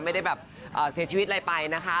ไม่ได้แบบเสียชีวิตอะไรไปนะคะ